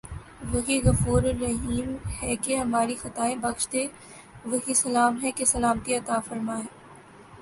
وہی غفورالرحیم ہے کہ ہماری خطائیں بخش دے وہی سلام ہے کہ سلامتی عطافرمائے